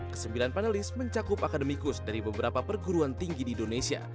kesembilan panelis mencakup akademikus dari beberapa perguruan tinggi di indonesia